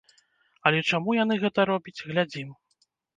Але чаму яны гэта робяць, глядзім.